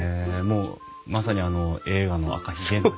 もうまさにあの映画の「赤ひげ」の。